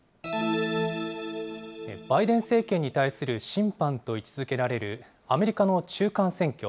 バイデン政権に対する審判と位置づけられるアメリカの中間選挙。